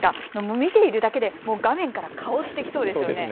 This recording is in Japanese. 見ているだけで画面から香ってきそうですよね。